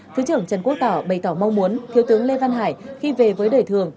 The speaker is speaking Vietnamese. thứ trưởng trần quốc tỏ bày tỏ mong muốn thiếu tướng lê văn hải khi về với đời thường